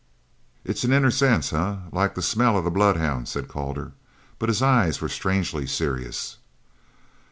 "It's an inner sense, eh? Like the smell of the bloodhound?" said Calder, but his eyes were strangely serious.